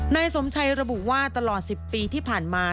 นายสมชัยระบุว่าตลอด๑๐ปีที่ผ่านมา